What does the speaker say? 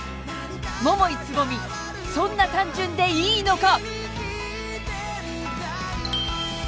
桃井蕾未そんな単純でいいのか？